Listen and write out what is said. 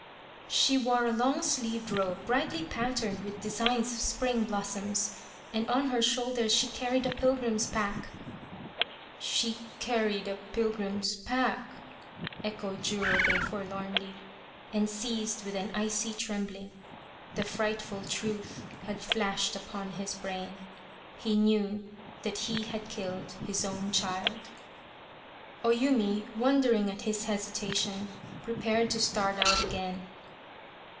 " She wore a long sleeved robe brightly patterned with designs of spring blossoms, and on her shoulders she carried a pilgrim's pack." " She carried a pilgrim's pack !" echoed Jurobei forlornly, and seized with an icy trembling. The frightful truth had flashed upon his brain. He knew that he had killed his own child ! 34 The Quest of the Sword O Yumi, wondering at his hesitation, prepared to start out again.